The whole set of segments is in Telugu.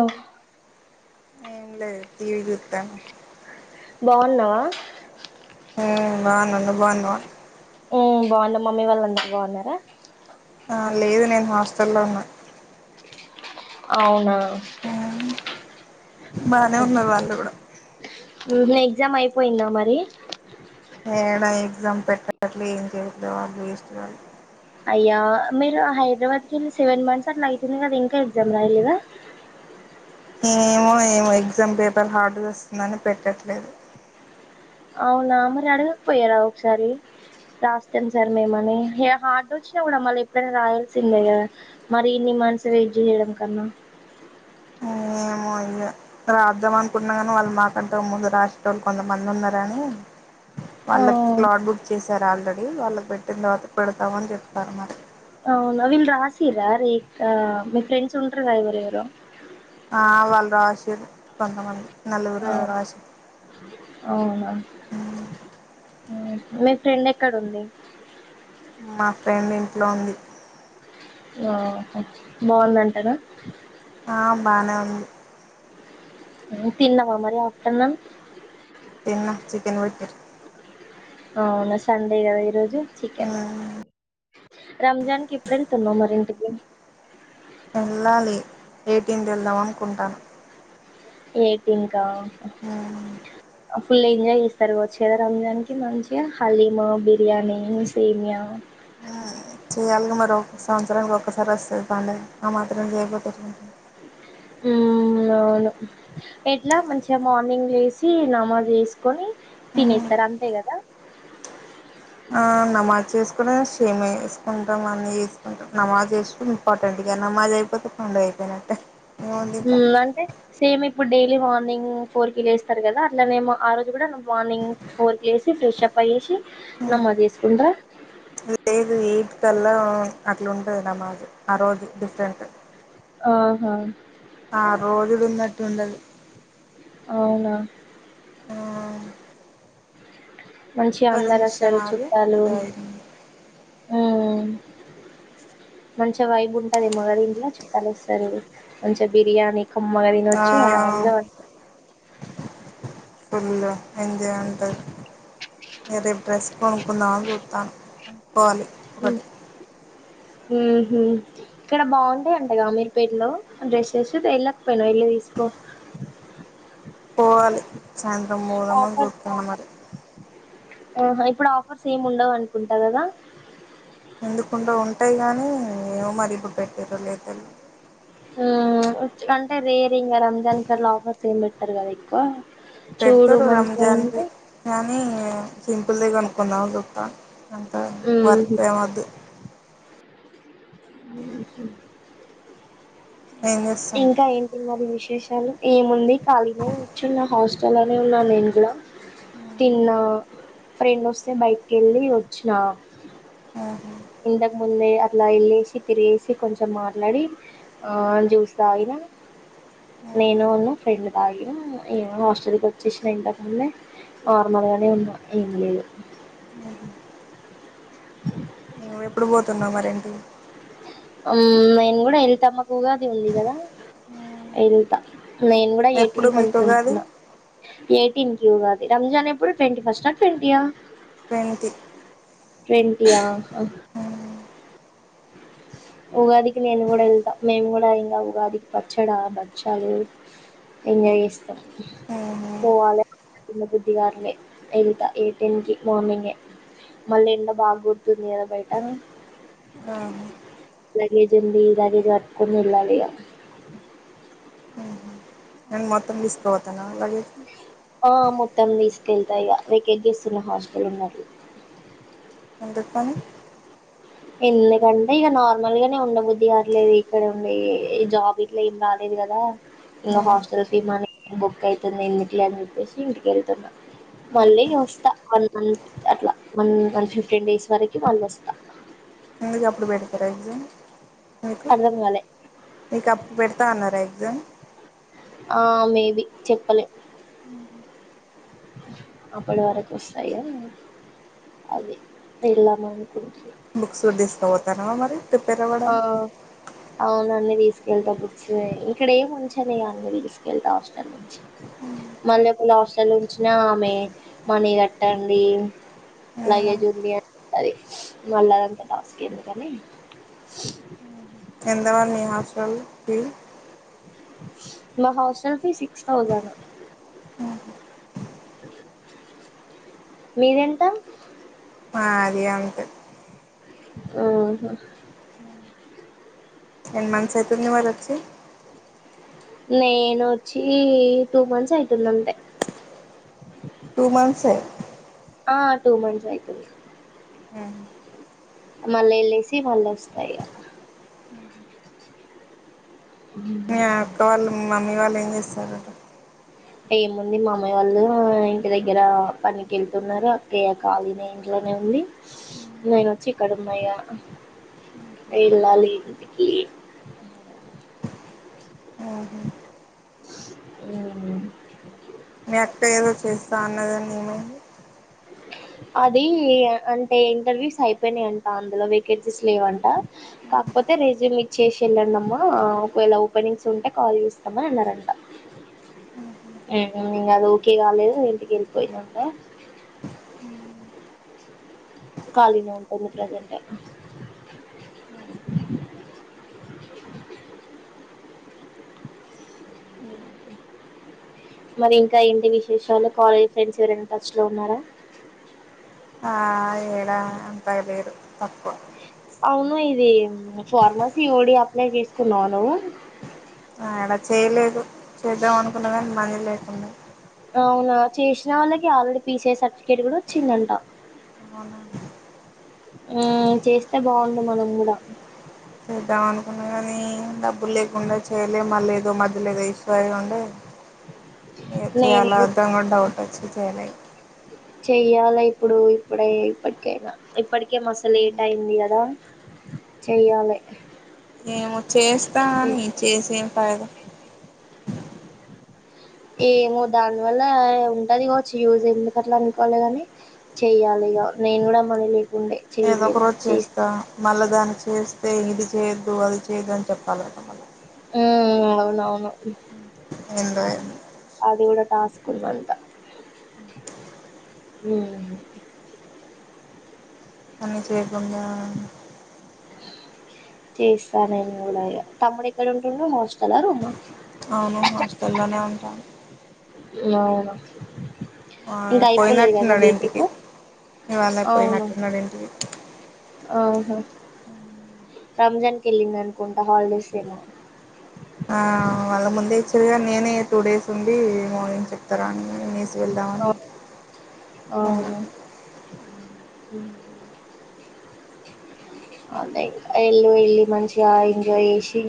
వ ఏం లేదు టీవీ చూత్త బావున్నావా హ్మ్ బావున్నాను నువ్వు బావున్నావా హ్మ్ బావున్నా మమ్మీ వాళ్ళు అందరు బావున్నారా ఆ లేదు నేను హాస్టల్లో ఉన్న అవునా బానే ఉన్నారు వాళ్ళు కూడా ఊహూ ఎగ్జామ్ అయిపోయిందా మరి అట్లే ఏం చేయడో వాళ్ళు ఇస్తున్నారు అయ్యా మీరు హైదరాబాద్కి వెళ్ళి సెవెన్ మంత్స్ అట్లా అవుతుంది కదా ఇంకా ఎగ్జామ్ రాయలేదా ఏమో ఏమో ఎగ్జామ్ పేపర్ హార్డ్గా వస్తుందని పెట్టట్లేదు అవునా మరి అడగకపోయారా ఒకసారి రాస్తాం సార్ మేమని హార్డ్ వచ్చినా కూడా మళ్ళీ ఎప్పుడైనా రాయాల్సిందే గదా మరి ఇన్ని మంత్స్ వెయిట్ చేయడం కన్నా ఏమో ఇగ రాద్దాం అనుకున్నా గానీ వాళ్ళు మా అంతకు ముందు రాసేటోళ్ళు కొంతమంది ఉన్నారని ఆ వాళ్ళ ప్లాట్ బుక్ చేసారు ఆల్రెడీ వాళ్ళకి పెట్టిన తర్వాత పెడతామ అని చెప్తారు మరి అ నవవిల్ రాసీరా రే మీ ఫ్రెండ్స్ ఉంట్ర రా ఎవరు ఎవరు ఆ వాళ్ళ ఆశలు కొంతమంది నలుగురు అఓ ఐదుగురు రాసిర్రు అవునామ్ మీ ఫ్రెండ్ ఎక్కడ ఉంది మా ఫ్రెండ్ ఇంట్లో ఉంది ఆ బాగుందంటగా మనం తిన్నవా మరి పట్టన్న తన్నా చికెన్ బట్టర్ అవునా సండే కదా ఈ రోజు కే మ రంజాన్ క ఇప్పుడెల్ తన్నా మరింటి వెళ్ళాలి ఏటింటి వెళ్దాం అనుకుంటాను ఎయిటీన్కా ఆ ఫుల్ ఎంజాయ్ చేస్తారు వచ్చదా రంజానికి మంచిగా హలీమా బిర్యానీ సీమయా చేయాలిగా మరి ఒ సంవత్సరానికి ఒక్కసారి వస్తుంది పండి ఆ మాత్రం చేయకంది అ అవును ఎట్లా మంచిగా మార్నింగ్ వేసి నమాోజ్ వసుకొని తినేస్తారు అంతే కదా నమాజ్ చేసుకు క్షేమ వేసుకుంటాం అన్నీ వేసుకుంటాం నమాజ్ వేస్తూ ఇంపార్టెంట్గా నమాజ్ అయిపోతే పండుగ అయిపోయినట్టే ఏముంది ఇంకా మ్మ్ అంటే సేమ్ ఇప్పుడు డైలీ మార్నింగ్ ఫోర్కిి లేేస్తారు కదా అట్లానేమో ఆ రోజు కూడా మార్నింగ్ ఫోర్కిి లేసి ఫ్రెష్ అప్ అయ్యేసి నమ్మో చేసుకుంటా లేదు వట్కల్లా అట్లా ఉంటుంది నమాజు ఆ రోజు డిఫరెంట్ ఆహా ఆ రోజుది ఉన్నట్టు ఉండదు అవునా మంచి ఒక్క అందారు నిమిషం వస్తారు ఆగు చుట్టాలు మంచి వైబ్ ఉంటదిమగ ఇంట్లో చుట్టాలు వస్తారు మంచి బిర్యానీ కమ్మగారిన ఆ వచ్చి అరమ్దా వ ఫుల్ ఎంజే అంటారు నే రేపు డ్రెస్ కొనుక్కున్నాను చూస్తాను పోవాలి ఒకటి ఇక్కడ బాగుంటాయి అంటగా మీరు పేర్లో డ్రెస్సెస్ వెళ్ళకపోనా వెళ్ళి తీసుకో పోను సాయంత్రం మూలము ఆఫర్స్ దూర్కున్న మరి ఆహా ఇప్పుడు ఆఫర్స్ ఏమి ఉండవు అనుకుంట కదా ఉట్టాయి గానీ ఏో మరీ పట్ట పరు లేదను అంటే రేరింగ్ గారు రంజాన్ కార్లో ఆఫర్స్ ఏమి పెట్టారు కదా ఎక్కువ చూడు రెడ్ద్దూరు మంచిగా రంజాన్ ఉంటే ననీ ఇబలే కనుకుందాం దుకా అంత ఉహు వర్త ఏమది అ ఏం చేస్తున్నావ్ ఇంకా ఏంటిో అభిష ాలు ఏముంది ఖాళీనే కూర్చున్న హాస్టల్ అనే ఉన్నా నేను కూడా తిన్నా ఫ్రెండ్ వస్తే బైక్కి వెళ్ళి వచ్చిన ఇంతకుముందే అట్లా వెళ్ళేసి తిరిగేసి కొంచెం మాట్లాడి జ్యూస్ తాగిన నేను ఉన్నా ఫ్రెండ్ తాగిన హాస్టల్కి వచ్చేసిన ఇంతకుముందే నార్మల్గానే ఉన్నా ఏం లేదు మ ఎప్పుడు పోతున్నాం మరేంటి నేను కూడా వెలుతామకు ఉగాది ఉంది కదా ఇంటికి ఎలుతా నేను కూడా ఎప్పుడు ఎయిటీన్ క మీకు ఉగాది అనుకుంటున్నా ఎయిటీన్ క్యూ కాది రంజాన్ ఎప్పుడు ట్వంటీ ఫస్ట్ా ట్వంటీయా ట్వంటి ట్వంటయా ఉగాదికి నేను కూడా వెళ్తా మేము కూడా ఇంకా ఉగాదికి పచ్చడా భక్షలు ఎంజాయ్ చేస్తాం ఆహా పోవాలి చిిన్న బుద్ధిగారులే వెళ్తా ఎయిట్ టెన్ కి మార్నింగే మళ్ళీ ఎండ బాగ గుర్తుంది కదా బయట లాగేజ అంది లాగేజ్ వట్కని ఇలాడిగా నను మొత్తం ఇస్తా బతన గేతే ఆ మొత్తం తీసుకెళ్తాయి ఇక వెకేట్ చేస్తున్న హాస్టల్ ఉన్నట్ది అడ్ పం ఎందుకంటే ఇక నార్మల్గానే ఉండబుద్ధి కావట్లేదు ఇక్కడ ఉండే ఈ జాబ్ ఇట్లా ఏం రాలేదు కదా ఊ. ఇంకా హాస్టల్ ఫీ మనీ బుక్ అవుతుంది ఎందుకలో అని చెప్పేసి ఇంటిక వెళ్తున్నా మళ్ళీ వస్తా వన్ మంత్ అట్లా వన్ వన్ ఫిఫ్టీన్ డేస్ వరకు మళ్ళీ వస్తా ముందుక ఎప్పుడు పెడతారా ఎజా మీకు అర్థం కాలే మీకు అప్పు పెడతా అన్నారా ఎగ్జామ్ ఆ మేబి చెప్పలే అప్పటి వరకు వస్తాయి కదా అది వెళ్ళాము బుక్సూర్ దస్తత మ మరి ప్రిపేర్ అవ్వడానికి అవునా అన్ని తీసుకెళ్తా బుక్స్ ఇక్కడ ఏమి ఉంచది అన్ని తీసుకెళ్తా హాస్టల్ నుంచి మళ్ళీ ఒకళ హాస్టల్ ఉంచిన ఆమె మనీ కట్టండి ఊ. లగేజ్ ఉంది అది మళ్ళీ అదంత టాస్క్ ఏందికని [unintelligible] ఎంతవ మీ హాస్టల్కిి మా హాస్టల్ ఫీ సిక్స్ థౌజండ్ మీదెంత అదే అంతే ఆహ ఎన్ మంత్స్ అవుతుంది వాళ వచ్చి నేనుొచ్చి టూ మంత్స్ అవుతుందింతే టూ మంత్సే ఆ టూ మంత్స్ అయితుంది ఊహు. మళ్ళా వెళ్ళసి వాళ్ళు వస్తాయి ఉ మీ అక్క వాళ్ళు మమ్మీ వాళ్ళు ఏం జేస్తార్రు ఏముంది మమ్మీ వాళ్ళు ఇంటి దగ్గర పనికి వెళ్తున్నారు అక్కయ్యా కాళీ నే ఇంట్లోనే ఉంది నేన వచ్చి ఇక్కడ ఉన్నాయ ఇగ వెళ్ళాలి ఇంటికి ఊహు. ఆ మీ అక్క ఏదో చేస్తా అన్నదని ఏమైంది అది అంటే ఇంటర్వ్యూస్ అయిపోయినాయంట అందులో వేకెన్సీస్ లేవంట కాకపోతే రెజ్యూమ్ ఇచ్చేసి ఎళ్ళండమ్మా ఒకవేళ ఓపెనింగ్స్ ఉంటే కాల్ చేస్తామని అన్నరంటా మ్మ్ అది ఓకే కాలేదు ఇంటికి వెళ్ళిపోయిందంటా [inaudible] కాలిగా ఉంటుంది ప్రజంట్ మరి ఇంకా ఏంటి విశేషాలు కాలేజ్ ఫ్రెండ్స్ ఎవరైనా టచ్ లో ఉన్నారా ఆ ఏడా పగ లేరు తక్కువ అవును ఇదీ మ్మ్ ఫార్మసీ ఓ డి అప్లై చేసుకున్నావా నువ్వు ఆడ చేయలేదు అవును అవునా చేషిన వాళ్ళకి already P C I certificate కూడా వచ్చిందంట అవునా మ్మ్ చేస్తే బాగుండు మనం కూడా చేద్దామనుకున్న కానీ డబ్బులు లేకుండా చేయలే మల్లా ఏదో మధ్యలో ఏదో ఇష్యూ ఇయ్యుండే నే చేయాల అద్దా కూడా డౌట్ వచ్చి చాలా [unintelligible] చెయ్యాల ఇప్పుడు ఇప్పుడై ఇప్పటికైనా ఇప్పటికే మస్తు లేట్ అయింది కదా చెయ్యాలే మేము చేస్తా అని చేసే [unintelligible] ఏమో దానివల్లా ఉంటది కావచ్చు యూజ్ ఎందుకు అట్లా అనుకోవలే కాని చెయ్యాలిగ నేను కూడా మనీ లేకుండే ఏదో ఒక చేయలేదు రోజు చేస్త చేస్తా మళ్ళా దాన్ని చేస్తే ఇది చేయొద్దు అది చేయ్యద్దు అని చెప్పాలట మళ్లా మ్మ్ అవునవును ఏందో ఏందో అది కుడా టాస్క్ ఉందంటా మరి చేయకుండా చేస్తా నేను కూడా ఇగ తమ్ముడు ఎక్కడుంటుండు హాస్టలా రూమా అవును హాస్టల్లోనే ఉంటాండు అవును ఆ పోయినట్టున్నాడు ఇంటికి ఇవాళ అవునా పోయినట్టున్నాడు ఇంటికి మ్ రంజాన్ కెళ్ళిండనుకుంటా హాలిడేస్ ఏమో ఆ వాళ్ళ ముందే ఇచ్చారుగానీ నేనే టూ డేస్ ఉండి మోగించ చెప్తారా అని వెళదామని ఉన్నా మా్ ఆ లైక్ ఎళు ఎళ్ళి మంచిగా ఎంజాయ్ చేషి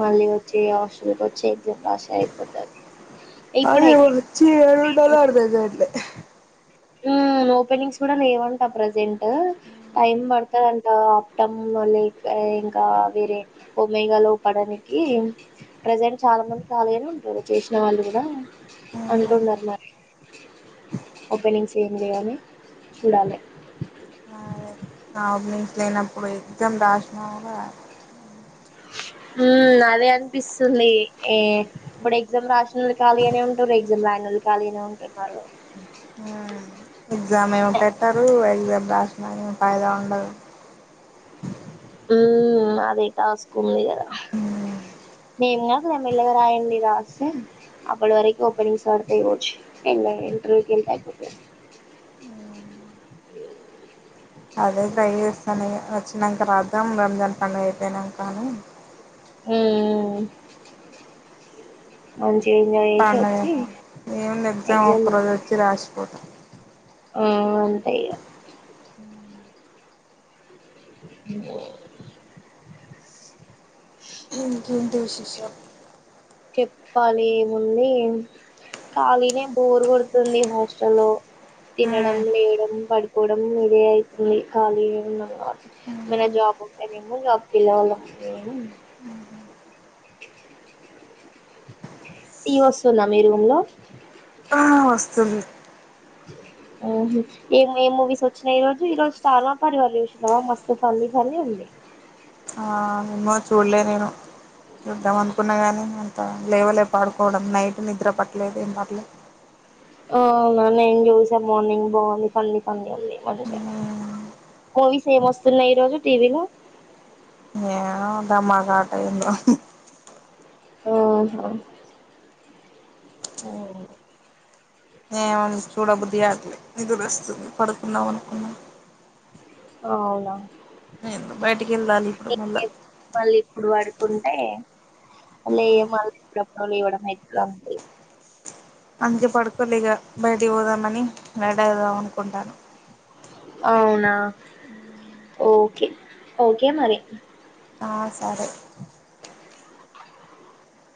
మళ్ళీ వచ్చి హాస్టల్కి వచ్చి ఎగ్జామ్ రాస్తే అయిపోతది ఇప్పుడు అదే వచ్చి ఏడుండాలో అర్ధం కాట్లే మ్మ్ ఓపెనింగ్స్ కూడా లేవంట ప్రసెంటు టైం పడ్తదంటా అక్టింబర్ లే ఇంకా వేరే ఒమెగా లో పడానికి ప్రజెంట్ చాలా మంది కాలిగనే ఉన్నరు చేషిన వాళ్ళు కూడా అంటున్నరు మరీ ఓపెనింగ్స్ ఎమ్ లేవని చూడాలే ఆబ్నింగ్స్ లేనప్పుడు ఎగ్జామ్ రాశిన కూడా మ్మ్ అదే అనిపిస్తుంది ఏ ఇప్పుడు ఎగ్జామ్ రాసినోళ్ళు ఖాళీగానే ఉంటురు ఎగ్జామ్ రాయనోళ్ళు ఖాళీగానే ఉంటున్నారు ఎగ్జామ్ ఏమో పెట్టారు ఎగ్జామ్ రాసనో ఫైదా ఉండదు మ్మ్ అదే టాస్కు ఉంది కదా నేమ్ కాదురా మెల్లగా రాయండి రా రాస్తే అప్పడి వరకు ఓపెనింగ్స్ పడతాయి కావచ్చు మెలగ ఇంటర్వ్యూ కి వెళ్తే అయిపోతాది అదే ట్రై చేస్తాన ఇగ వచ్చినాక రాద్దాం రంజన్ పండుగ అయిపోయినా క అని మ్మ్ పండగ ఏముది ఎగ్జామ్ ఒక రోజు వచ్చి రాసి పో టటా ఆ అంతే ఇగ ఏంటి విశేషలు చెప్పులి ఏముంది ఖాళీనే బోర్ కొడుతుంది హాస్టలో తినడం లేయడం పడుకోవడం ఇదే అయితుంది ఖాళీ ఉనా వేరే జాబ్ ఉంటేనేమో జాబ్కి వెళ్ళవాలామ్ టి వస్తుందా మీ రూమ్ లో ఆ వస్తుంది ఆ ఏ ఏ మూవీస్ వచ్చినాయ్ ఈ రోజు ఈ రోజు స్టార్మా పరివళ చూసినవా మస్తు ఫన్నీ ఫన్నీ ఉంది ఆ ఏమో చూడలే నేను చూద్దాం అనుకున్నా కానీ అంత లేవలే పడుకోవడం నైట్ నిద్ర పట్టలేదు ఏం పట్లే అవునా నేను చూసా మార్నింగ్ బాగుంది ఫన్నీ ఫన్నీ గా మూవీస్ ఏం వస్తున్నాయి ఈ రోజు టీవీలో దమాకా అంట ఏమో ఆహ ఓ ఫిర్యాదు నిదుర వస్తు పడుకుందాం అనుకున్ ఆ అవునా బయటికి వెళ్ళాలి ఇప్పుడు మళ్ళా ఇంకేం మళ్ళీ ఇప్పుడు పడుకుంటే లేయా మల [unintelligible] లేవడం ఎట్లా అందుకే పడుకోలే ఇగ బయటకి పోదామని అడ్ అవుదాం అనుకుంటాన నా ఓకే ఓకే మరి ఆ సరే